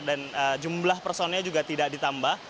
dan jumlah personel juga tidak ditambah